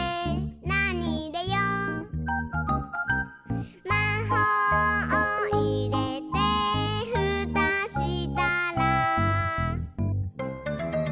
「なにいれよう？」「まほうをいれてふたしたら」